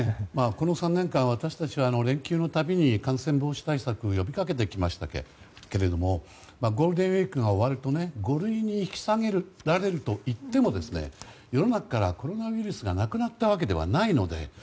この３年間、私たちは連休のたびに感染防止対策を呼びかけてきましたけれどもゴールデンウィークが終わると５類に引き下げられるといっても世の中からコロナウイルスがなくなったわけではないので。